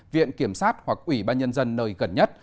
viện kiểm sát hoặc quỹ ba nhân dân nơi gần nhất